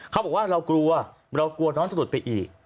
เขาบอกว่าเรากลัวเรากลัวน้องจะหลุดไปอีก